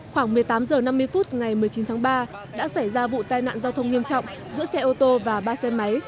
khoảng một mươi tám h năm mươi phút ngày một mươi chín tháng ba đã xảy ra vụ tai nạn giao thông nghiêm trọng giữa xe ô tô và ba xe máy